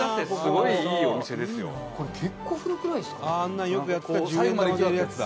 「これ結構古くないですか？」